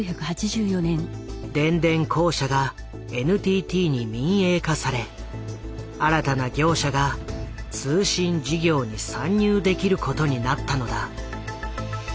電電公社がＮＴＴに民営化され新たな業者が通信事業に参入できることになったのだ。